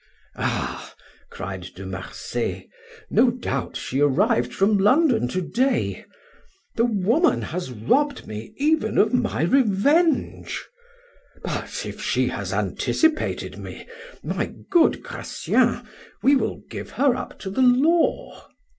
"Ah," cried De Marsay, "no doubt she arrived from London to day. The woman has robbed me even of my revenge! But if she has anticipated me, my good Gratien, we will give her up to the law."